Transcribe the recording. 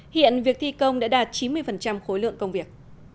hiện việc thi công đã đạt chín mươi khối lượng công việc